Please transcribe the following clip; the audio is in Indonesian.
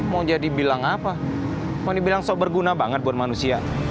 mau jadi bilang apa mau dibilang berguna banget buat manusia